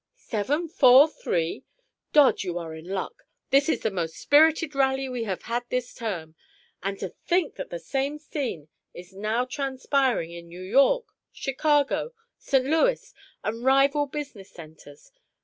"Seven, four, three! Dodd, you are in luck: this is the most spirited rally we have had this term. And to think that the same scene is now transpiring in New York, Chicago, St. Louis, and rival business centres!